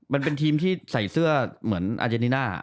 มันเป็นทีมที่ใส่เสื้อเหมือนอาเจนิน่า